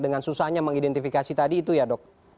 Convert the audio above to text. dengan susahnya mengidentifikasi tadi itu ya dok